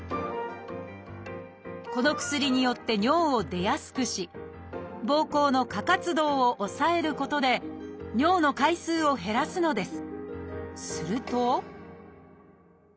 この薬によって尿を出やすくしぼうこうの過活動を抑えることで尿の回数を減らすのです。